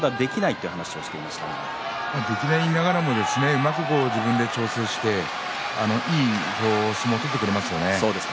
そう言いながらも自分でうまく調整していい相撲を取ってくれますよね。